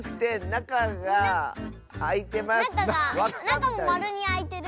なかがなかもまるにあいてる。